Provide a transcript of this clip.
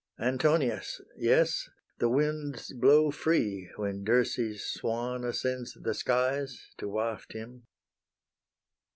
Antonius! yes, the winds blow free, When Dirce's swan ascends the skies, To waft him.